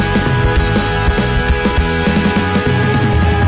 แค่รู้สึกว่า